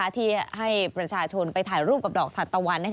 ที่ให้ประชาชนไปถ่ายรูปกับดอกถัดตะวัน